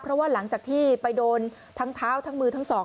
เพราะว่าหลังจากที่ไปโดนทั้งเท้าทั้งมือทั้งสอง